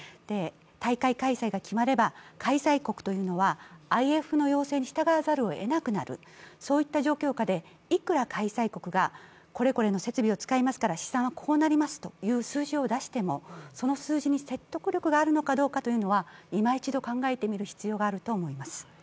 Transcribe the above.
大会開催が決まれば開催国というのはＩＦの要請に従わざるを得なくなる、そこでいくら開催国がこれこれの設備を使いますから試算はこうなりますという数字を出してもその数字に説得力があるのかどうかいま一度考えてみる必要があります。